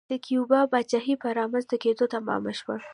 د کیوبا پاچاهۍ په رامنځته کېدو تمام شو.